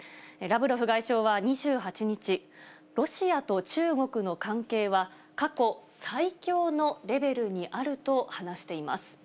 ラブロフ外相は２８日、ロシアと中国の関係は、過去最強のレベルにあると話しています。